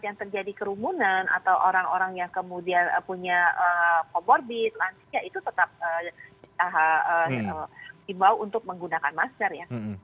yang terjadi kerumunan atau orang orang yang kemudian punya comorbid lansia itu tetap kita himbau untuk menggunakan masker ya